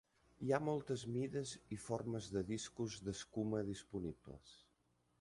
Hi ha moltes mides i formes de discos d'escuma disponibles.